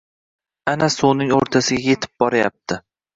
Ana suvning o‘rtasiga yetib boryapti.